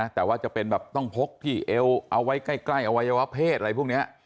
แต่ว่าจะเป็นแบบต้องพกที่เอวเอาไว้ใกล้อวัยวะเพศอะไรพวกนี้